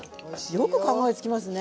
よく考えつきますね。